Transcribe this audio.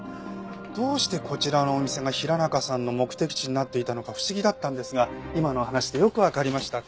どうしてこちらのお店が平中さんの目的地になっていたのか不思議だったんですが今のお話でよくわかりました。